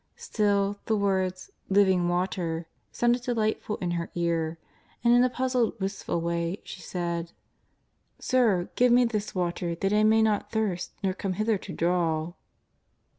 Still the words '^ living water " sounded delightful in her ear, and in a puzzled, wistful way she said :" Sir, give me this water that I may not thirst nor come hither to draw.''